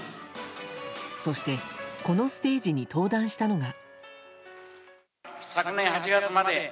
そして、このステージに登壇したのが。